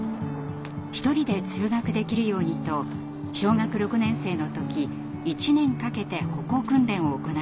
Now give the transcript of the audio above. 一人で通学できるようにと小学６年生の時１年かけて歩行訓練を行いました。